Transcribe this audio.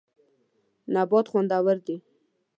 نبات خوندور دی.